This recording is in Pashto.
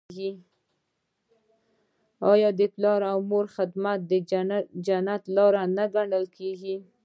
آیا د پلار او مور خدمت د جنت لاره نه ګڼل کیږي؟